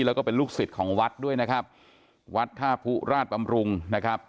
แล้วก็เป็นลูกศิษย์ของวัดด้วยนะครับวัดท่าผู้ราชบำรุงนะครับ